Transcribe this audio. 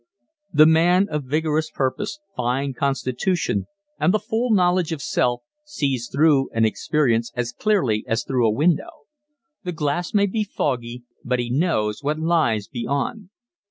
The man of vigorous purpose, fine constitution, and the full knowledge of self, sees through an experience as clearly as through a window. The glass may be foggy, but he knows what lies beyond.